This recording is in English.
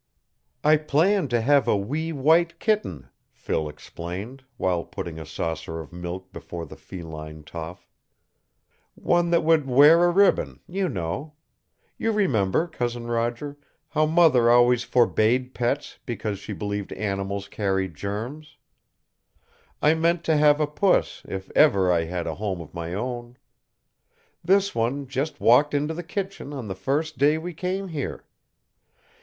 "I planned to have a wee white kitten," Phil explained, while putting a saucer of milk before the feline tough. "One that would wear a ribbon, you know. You remember, Cousin Roger, how Mother always forbade pets because she believed animals carry germs? I meant to have a puss, if ever I had a home of my own. This one just walked into the kitchen on the first day we came here.